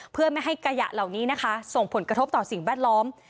เพื่อไม่ให้ขยะเหล่านี้นะคะส่งผลกระทบต่อสิ่งแวดล้อม